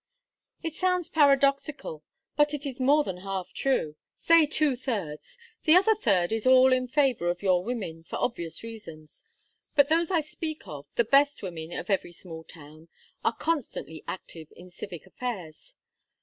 "It sounds paradoxical, but it is more than half true. Say two thirds; the other third is all in favor of your women, for obvious reasons. But those I speak of, the best women of every small town, are constantly active in civic affairs.